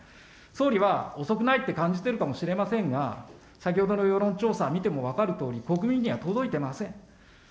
総理は遅くないって感じてるかもしれませんが、先ほどの世論調査見ても分かるとおり、国民には届いてません。